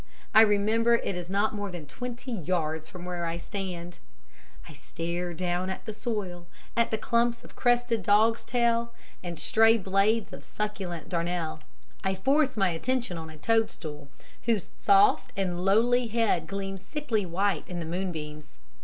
I remember it is not more than twenty yards from where I stand. I stare down at the soil, at the clumps of crested dog's tail and stray blades of succulent darnel; I force my attention on a toadstool, whose soft and lowly head gleams sickly white in the moonbeams.